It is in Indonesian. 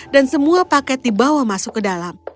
dan semua paket dibawa masuk ke dalam